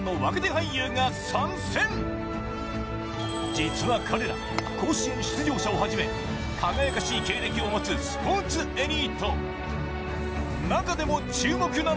実は彼ら、甲子園出場者をはじめ輝かしい経歴を持つスポーツエリート。